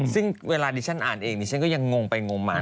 ซึ่งเวลาดิฉันอ่านเองดิฉันก็ยังงงไปงมมา